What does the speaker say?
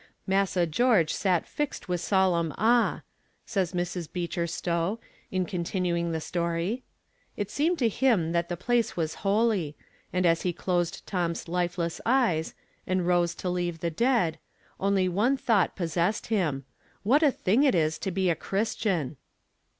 'Massa George sat fixed with solemn awe,' says Mrs. Beecher Stowe, in continuing the story. 'It seemed to him that the place was holy; and as he closed Tom's lifeless eyes, and rose to leave the dead, only one thought possessed him What a thing it is to be a Christian!'